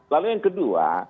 lalu yang kedua